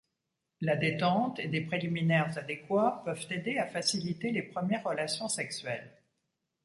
La détente et des préliminaires adéquats peuvent aider à faciliter les premières relations sexuelles.